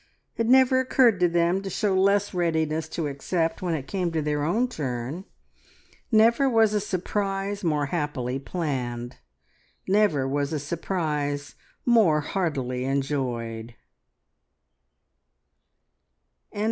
It never occurred to them to show less readiness to accept when it came to their own turn. Never was a surprise more happily planned; never was a surprise more heartily enjoyed.